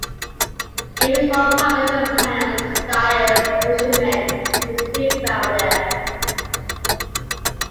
Even the small population of tanners, dyers and fishermen is to be found there.